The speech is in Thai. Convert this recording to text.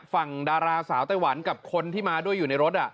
ดาราสาวไต้หวันกับคนที่มาด้วยอยู่ในรถ